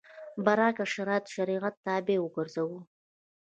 برعکس شرایط شریعت تابع وګرځوو.